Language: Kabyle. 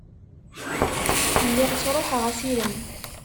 Lliɣ sṛuḥeɣ assirem.